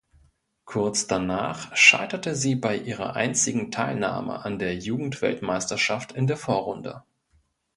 Kurz danach scheiterte sie bei ihrer einzigen Teilnahme an der Jugendweltmeisterschaft in der Vorrunde.